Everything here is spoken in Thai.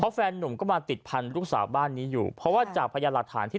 แฟนนุ่มก็มาติดพันธุ์ลูกสาวบ้านนี้อยู่เพราะว่าจากพยานหลักฐานที่